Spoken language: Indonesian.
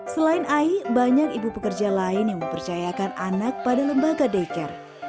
selain ai banyak ibu pekerja lain yang mempercayakan anak pada lembaga daycare